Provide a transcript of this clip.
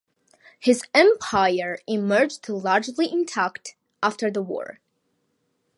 His empire emerged largely intact after the war.